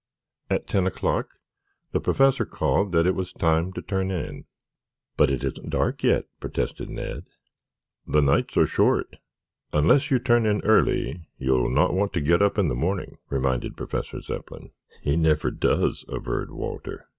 At ten o'clock the Professor called that it was time to turn in. "But it isn't dark yet," protested Ned. "The nights are short. Unless you turn in early you will not want to get up in the morning," reminded Professor Zepplin. "He never does," averred Walter.